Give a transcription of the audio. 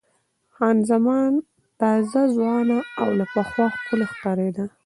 خان زمان تازه، ځوانه او له پخوا ښکلې ښکارېده.